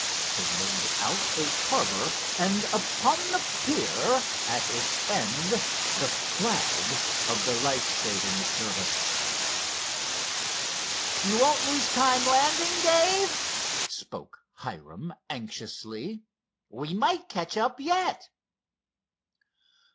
They made out a harbor and upon the pier at its end the flag of the life saving service. "You won't lose time landing, Dave?" spoke Hiram anxiously. "We might catch up yet."